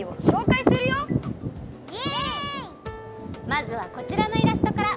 まずはこちらのイラストから！